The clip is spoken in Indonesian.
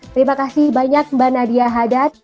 terima kasih banyak mbak nadia hadad